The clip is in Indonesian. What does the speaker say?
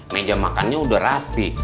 meja makannya udah rapi